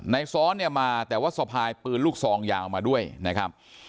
ซ้อนเนี่ยมาแต่ว่าสะพายปืนลูกซองยาวมาด้วยนะครับ